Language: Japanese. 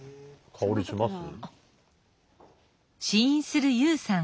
香りします？